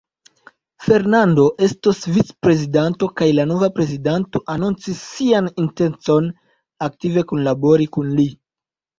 Fernando estos vicprezidanto, kaj la nova prezidanto anoncis sian intencon aktive kunlabori kun li.